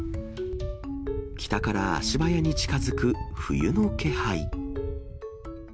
北から足早に近づく冬の気配。